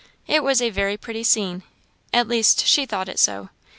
It was a very pretty scene at least, she thought so.